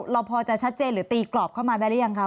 เราพอจะชัดเจนหรือตีกรอบเข้ามาได้หรือยังคะ